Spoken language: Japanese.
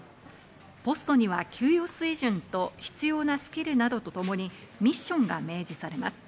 ポストには給与水準と必要なスキルなどとともにミッションが明示されます。